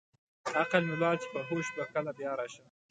عقل مې ولاړ چې په هوښ به کله بیا راشم.